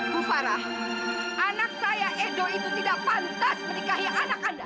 bu farah anak saya edo itu tidak pantas menikahi anak anda